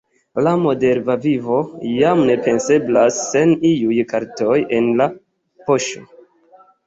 La moderna vivo jam ne penseblas sen iuj kartoj en la poŝo.